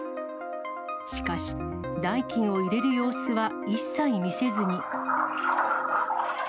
しかし、代金を入れる様子は一切見せずに。